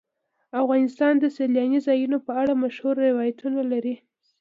افغانستان د سیلاني ځایونو په اړه مشهور روایتونه لري.